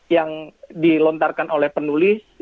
yang dilontarkan oleh penulis